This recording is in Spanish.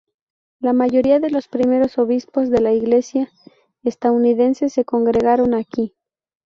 La mayoría de los primeros obispos de la Iglesia estadounidense se consagraron aquí.